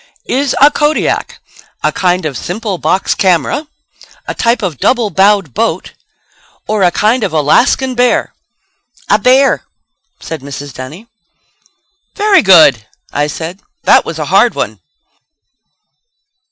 Is a Kodiak a kind of simple box camera; a type of double bowed boat; or a type of Alaskan bear?" "A bear," said Mrs. Dunny. "Very good," I said. "That was a hard one."